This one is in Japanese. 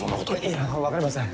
いや分かりません。